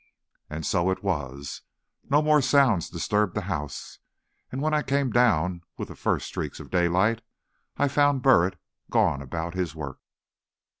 And so it was. No more sounds disturbed the house, and when I came down, with the first streak of daylight, I found Burritt gone about his work.